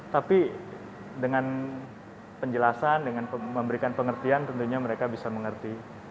tapi dengan penjelasan dengan memberikan pengertian tentunya mereka bisa mengerti